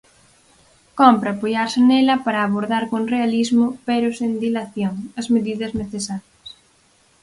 Cómpre apoiarse nela para abordar con realismo, pero sen dilación, as medidas necesarias.